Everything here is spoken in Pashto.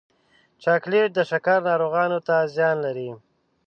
چاکلېټ د شکر ناروغانو ته زیان لري.